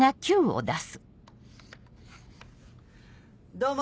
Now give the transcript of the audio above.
どうも！